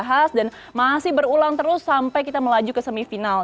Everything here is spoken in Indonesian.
yang sudah dibahas dan masih berulang terus sampai kita melaju ke semifinal